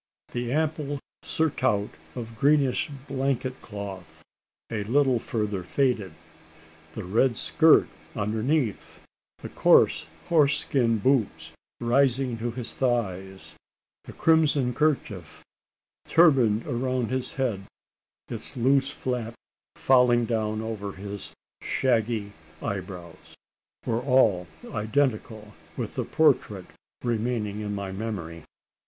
The ample surtout of greenish blanket cloth, a little further faded the red skirt underneath the coarse horse skin boots rising to his thighs the crimson kerchief turbaned around his head, its loose flap falling down over his shaggy eyebrows were all identical with the portrait remaining in my memory.